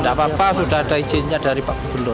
tidak apa apa sudah ada izinnya dari pak gubernur